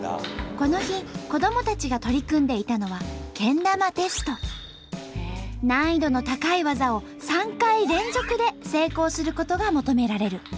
この日子どもたちが取り組んでいたのは難易度の高い技を３回連続で成功することが求められる。